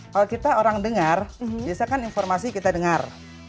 kalau kita orang dengar biasakan informasi kita dengar